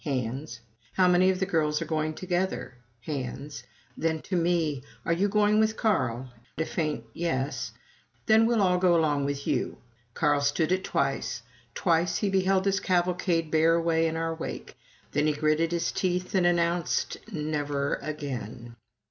Hands. "How many of the girls are going together?" Hands. Then, to me, "Are you going with Carl?" A faint "Yes." "Then we'll all go along with you." Carl stood it twice twice he beheld this cavalcade bear away in our wake; then he gritted his teeth and announced, "Never again!"